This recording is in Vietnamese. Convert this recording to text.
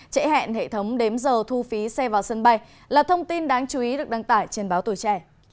trễ hẹn hệ thống đếm giờ thu phí xe vào sân bay là thông tin đáng chú ý được đăng tải trên báo tuổi trẻ